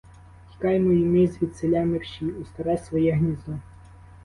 Тікаймо й ми звідсіля мерщій у старе своє гніздо!